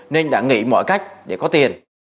nên đã nghĩ mọi cách để có tiền